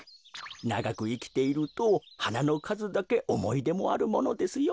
ながくいきているとはなのかずだけおもいでもあるものですよ。